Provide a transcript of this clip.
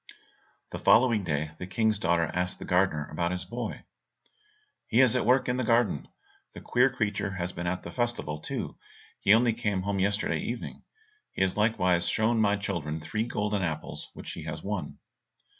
The following day the King's daughter asked the gardener about his boy. "He is at work in the garden; the queer creature has been at the festival too, and only came home yesterday evening; he has likewise shown my children three golden apples which he has won."